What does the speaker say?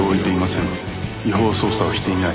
私は違法捜査をしていない。